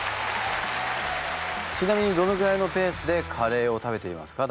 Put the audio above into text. ちなみにどのぐらいのペースでカレーを食べていますか？